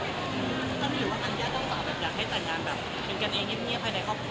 ก็มีหรือว่าอันยากตัวสาวแบบอยากให้ต่างจากแบบเป็นกันเองเงียบเงียบภายในครอบครัว